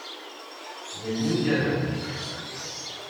D ayen i ugdeɣ.